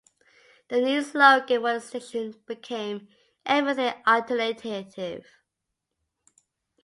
The new slogan for the station became "Everything Alternative".